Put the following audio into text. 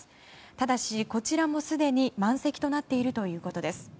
ただしこちらもすでに満席となっているということです。